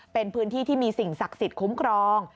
เป็นพื้นที่ที่มีสิ่งศักดิ์สิทธิ์คุ้มครอง